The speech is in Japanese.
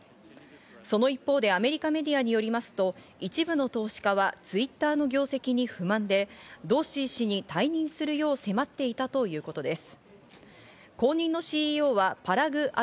その一方でアメリカメディアによりますと、一部の投資家はＴｗｉｔｔｅｒの業績に不満で、ドーシー氏に退任するよう迫っていたということです。